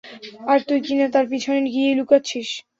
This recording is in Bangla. আর তুই কি-না তার পিছনে গিয়েই লুকাচ্ছিস!